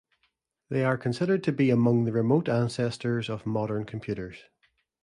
They are considered to be among the remote ancestors of modern computers.